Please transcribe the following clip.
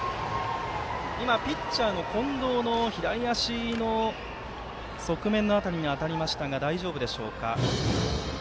ピッチャーの近藤の左足の側面の辺りに当たりましたが大丈夫でしょうか。